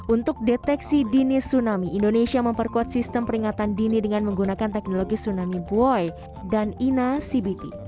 untuk deteksi dini tsunami indonesia memperkuat sistem peringatan dini dengan menggunakan teknologi tsunami buoy dan ina cbt